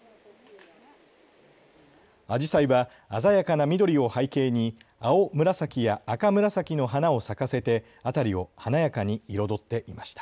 あじさいは鮮やかな緑を背景に青紫や赤紫の花を咲かせて辺りを華やかに彩っていました。